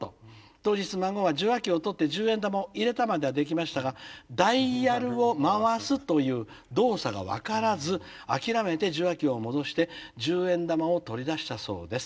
当日孫は受話器を取って十円玉を入れたまではできましたがダイヤルを回すという動作が分からず諦めて受話器を戻して十円玉を取り出したそうです。